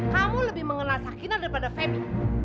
kamu lebih mengenal sakina daripada femi